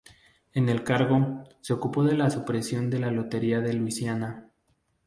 En el cargo, se ocupó de la supresión de la Lotería de Luisiana.